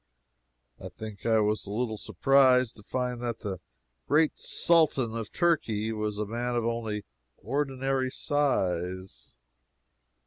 I think I was a little surprised to find that the grand Sultan of Turkey was a man of only ordinary size.